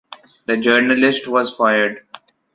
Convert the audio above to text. The journalist was fired.